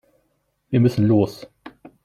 Wir müssen los.